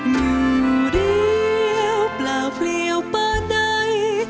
อยู่เดียวเปล่าเปลี่ยวปลาใด